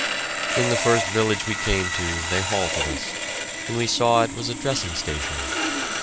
In the first village we came to, they halted us, and we saw it was a dressing station.